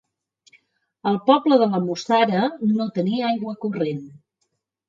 El poble de la Mussara no tenia aigua corrent.